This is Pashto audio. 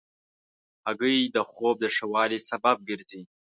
هګۍ د خوب د ښه والي سبب ګرځي.